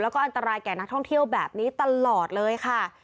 แล้วก็อันตรายแก่นักท่องเที่ยวแบบนี้ตลอดเลยค่ะ